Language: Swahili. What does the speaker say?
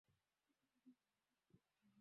Kuelekea kwenye maeneo ya Bara la Afrika Mashariki